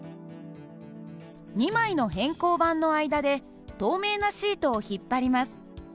２枚の偏光板の間で透明なシートを引っ張ります。